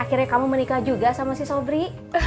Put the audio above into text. akhirnya kamu menikah juga sama si sobri